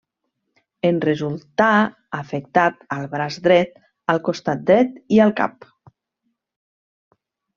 En resultà afectat al braç dret, al costat dret i al cap.